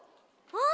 あ！